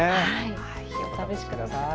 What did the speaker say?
お試しください。